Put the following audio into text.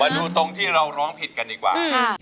ดูตรงที่เราร้องผิดกันดีกว่า